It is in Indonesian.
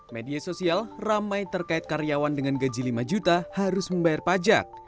media sosial ramai terkait karyawan dengan gaji lima juta harus membayar pajak